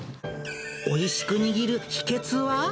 おいしく握る秘けつは？